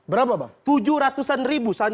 berapa pak tujuh ratusan